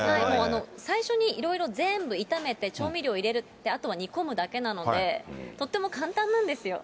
最初にいろいろ、全部炒めて、調味料を入れて、あとは煮込むだけなので、とっても簡単なんですよ。